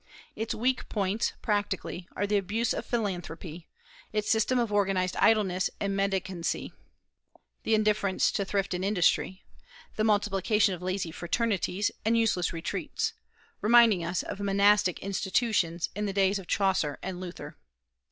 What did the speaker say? Its weak points, practically, are the abuse of philanthropy, its system of organized idleness and mendicancy, the indifference to thrift and industry, the multiplication of lazy fraternities and useless retreats, reminding us of monastic institutions in the days of Chaucer and Luther.